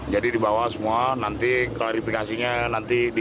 jadi dibawa semua nanti klarifikasinya nanti di